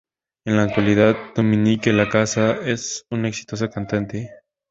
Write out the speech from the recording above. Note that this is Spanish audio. En la actualidad Dominique Lacasa es una exitosa cantante.